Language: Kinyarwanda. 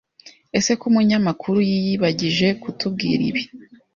Ese ko umunyamakuru yiyibagije kutubwira ibi